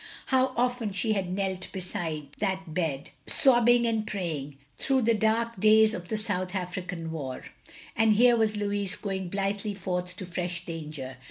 How often she had knelt beside that bed, sob bing and praying, through the dark days of the South African War. And here was Louis going blithely forth to fresh danger.